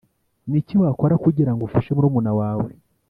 Ni iki wakora kugira ngo ufashe murumuna wawe